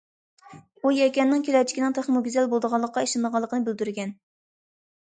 ئۇ يەكەننىڭ كېلەچىكىنىڭ تېخىمۇ گۈزەل بولىدىغانلىقىغا ئىشىنىدىغانلىقىنى بىلدۈرگەن.